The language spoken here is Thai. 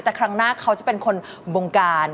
แต่ครั้งหน้าเขาจะเป็นคนบงการ